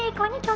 aduh engga itu